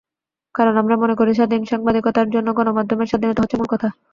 কারণ, আমরা মনে করি, স্বাধীন সাংবাদিকতার জন্য গণমাধ্যমের স্বাধীনতা হচ্ছে মূল কথা।